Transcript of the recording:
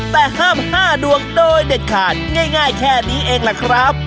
แต่ห้าม๕ดวงโดยเด็ดขาดง่ายแค่นี้เองล่ะครับ